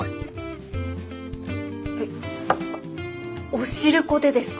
お汁粉でですか？